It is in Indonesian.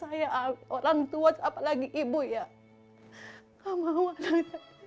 banyak orang yang ngatain katanya aymar bukan laki laki laki laki tapi ada itunya katanya begitu